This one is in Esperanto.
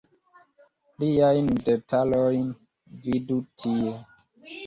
Pliajn detalojn vidu tie.